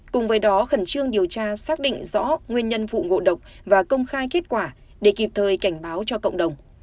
cùng với đó khẩn trương điều tra xác định rõ nguyên nhân vụ ngộ độc và công khai kết quả để kịp thời cảnh báo cho cộng đồng